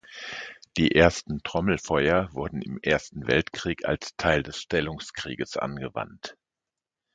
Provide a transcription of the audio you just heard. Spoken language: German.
Die ersten Trommelfeuer wurden im Ersten Weltkrieg als Teil des Stellungskrieges angewandt.